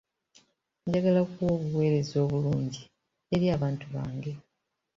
Njagala kuwa obuweereza obulungi eri abantu bange.